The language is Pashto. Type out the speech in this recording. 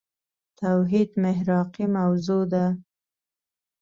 توحيد محراقي موضوع ده.